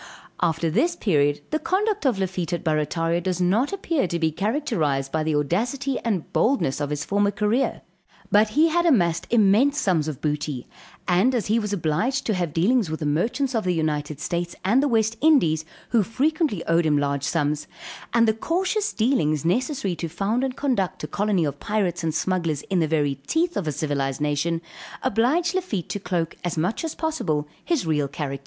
After this period, the conduct of Lafitte at Barrataria does not appear to be characterized by the audacity and boldness of his former career; but he had amassed immense sums of booty, and as he was obliged to have dealings with the merchants of the United States, and the West Indies, who frequently owed him large sums, and the cautious dealings necessary to found and conduct a colony of Pirates and Smugglers in the very teeth of a civilized nation, obliged Lafitte to cloak as much as possible his real character.